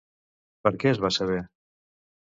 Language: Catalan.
Per què es va saber?